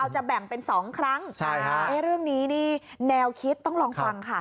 จะแบ่งเป็น๒ครั้งเรื่องนี้นี่แนวคิดต้องลองฟังค่ะ